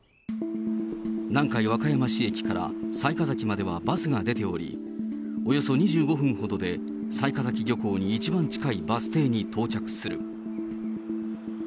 南海和歌山市駅から雑賀崎まではバスが出ており、およそ２５分ほどで雑賀崎漁港に一番近いバス停に到着する。